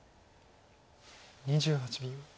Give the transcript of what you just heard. ２８秒。